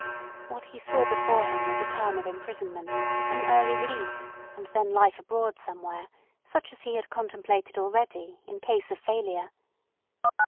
What he saw before him was a term of imprisonment, an early release and then life abroad somewhere, such as he had contemplated already, in case of failure.